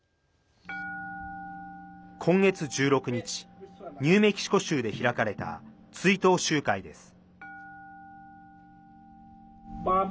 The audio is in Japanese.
今月１６日ニューメキシコ州で開かれた追悼集会です。